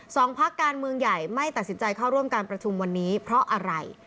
พักการเมืองใหญ่ไม่ตัดสินใจเข้าร่วมการประชุมวันนี้เพราะอะไร